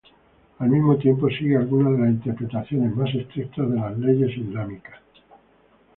Al mismo tiempo, sigue algunas de las interpretaciones más estrictas de las leyes islámicas.